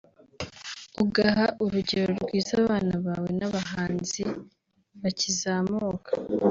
ugaha urugero rwiza abana bawe n’abahanzi bakizamuka